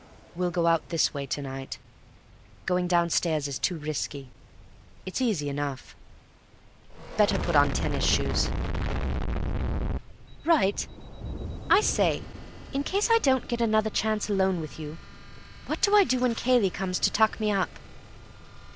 "We'll go out this way to night. Going downstairs is too risky. It's easy enough; better put on tennis shoes." "Right. I say, in case I don't get another chance alone with you—what do I do when Cayley comes to tuck me up?"